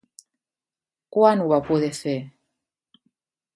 Quan ho va poder fer?